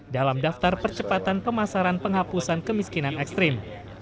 dalam daftar percepatan pemasaran penghapusan kemiskinan ekstrim